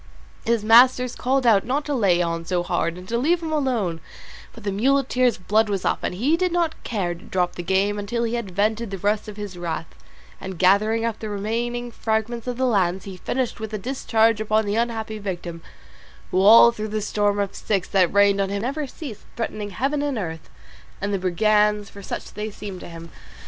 His masters called out not to lay on so hard and to leave him alone, but the muleteer's blood was up, and he did not care to drop the game until he had vented the rest of his wrath, and gathering up the remaining fragments of the lance he finished with a discharge upon the unhappy victim, who all through the storm of sticks that rained on him never ceased threatening heaven, and earth, and the brigands, for such they seemed to him.